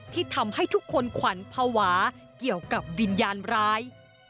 ที่ทำให้ทุกคนขวัญภาวะเกี่ยวกับวิญญาณร้าย